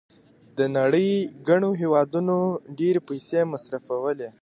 د نړۍ ګڼو هېوادونو ډېرې پیسې مصرفولې.